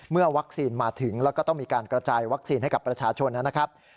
วัคซีนมาถึงแล้วก็ต้องมีการกระจายวัคซีนให้กับประชาชนนะครับ